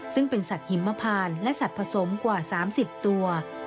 ซึ่งเป็นสัตว์หิมพานและสัตว์ผสมกว่า๓๐ตัว